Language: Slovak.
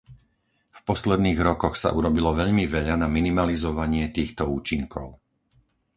V posledných rokoch sa urobilo veľmi veľa na minimalizovanie týchto účinkov.